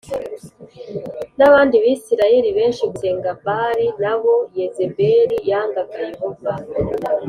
n abandi Bisirayeli benshi gusenga Baali na bo Yezebeli yangaga Yehova